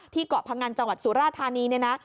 เกาะพงันจังหวัดสุราธานีเนี่ยนะ